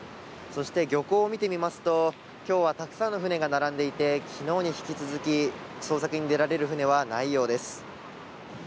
そして漁港を見てみますと今日はたくさんの船が並んでいて、昨日に引き続き捜索に出られる船はないようです。